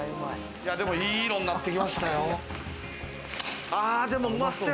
いい色になってきましたよ。